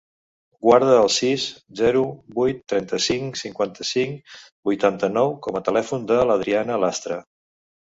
Guarda el sis, zero, vuit, trenta-cinc, cinquanta-cinc, vuitanta-nou com a telèfon de l'Adriana Lastra.